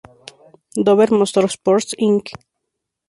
Dover Motorsports, Inc.